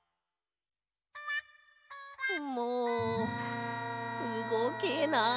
もううごけない。